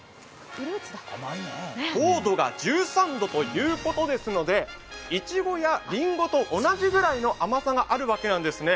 糖度が１３度ということですので、いちごやりんごと同じぐらいの甘さがあるわけですね。